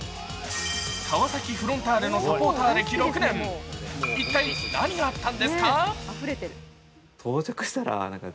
川崎フロンターレのサポーター歴６年、一体何があったんですか。